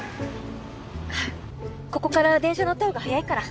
ここから電車乗ったほうが早いから。